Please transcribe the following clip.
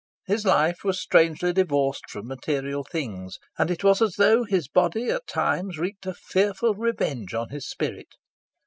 His life was strangely divorced from material things, and it was as though his body at times wreaked a fearful revenge on his spirit.